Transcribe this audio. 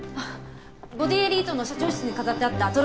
ボディエリートの社長室に飾ってあったトロフィーです。